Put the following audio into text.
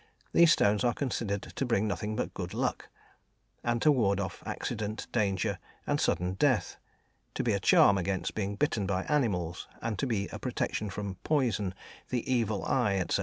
these stones are considered to bring nothing but good luck; to ward off accident, danger, and sudden death; to be a charm against being bitten by animals, and to be a protection from poison, the "evil eye," etc.